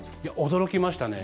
驚きましたね。